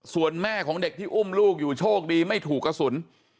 ส่วนแม่ของเด็กที่อุ้มลูกอยู่โชคดีไม่ถูกกระสุน